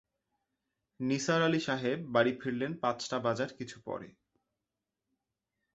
নিসার আলি সাহেব বাড়ি ফিরলেন পাঁচটা বাজার কিছু পরে।